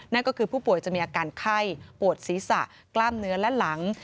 นั่นก็คือผู้ป่วยจะมีอาการไข้ปวดศีรษะกล้ามเนื้อและหลัง